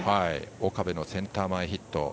岡部のセンター前ヒット。